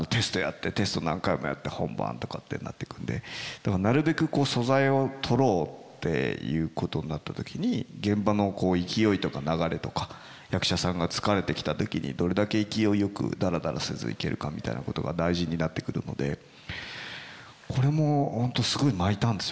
だからなるべく素材を撮ろうっていうことになった時に現場の勢いとか流れとか役者さんが疲れてきた時にどれだけ勢いよくダラダラせずいけるかみたいなことが大事になってくるのでこれも本当すごい巻いたんですよね。